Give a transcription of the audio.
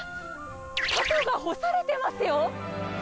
タコが干されてますよ。